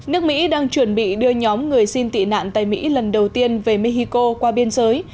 nước mỹ đang chuẩn bị đưa nhóm người xin tị nạn tại mỹ lần đầu tiên về mexico qua biên giới